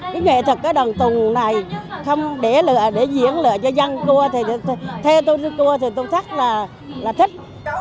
cái nghệ thuật đoàn tuồng này không để lửa để diễn lửa cho dân cua thì theo tôi đi cua thì tôi thắc là thích